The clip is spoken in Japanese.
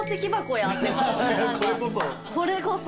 これこそ？